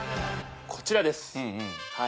こちらです。